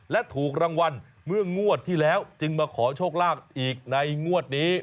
และถูกรางวัลเมื่องวดที่แล้วจึงมาขอโชคลาภอีกในงวดนี้